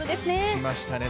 きましたね